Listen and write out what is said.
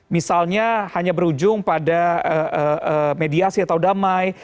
misalnya hanya berujung pada mediasi atau damai